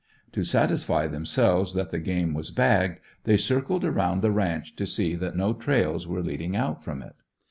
To satisfy themselves that the game was bagged, they circled around the ranch to see that no trails were leading out from it.